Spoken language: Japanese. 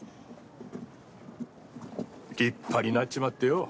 立派になっちまってよ。